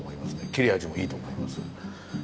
切れ味もいいと思います。